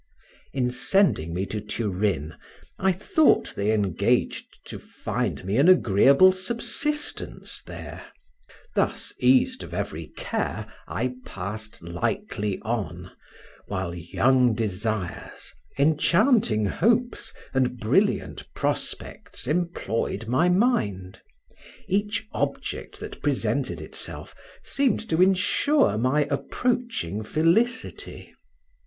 In sending me to Turin, I thought they engaged to find me an agreeable subsistence there; thus eased of every care I passed lightly on, while young desires, enchanting hopes, and brilliant prospects employed my mind; each object that presented itself seemed to insure my approaching felicity.